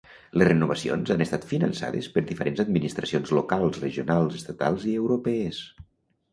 Les renovacions han estat finançades per diferents administracions locals, regionals, estatals i europees.